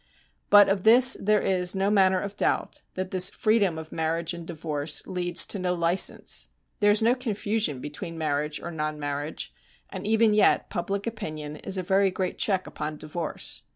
But of this there is no manner of doubt, that this freedom of marriage and divorce leads to no license. There is no confusion between marriage or non marriage, and even yet public opinion is a very great check upon divorce.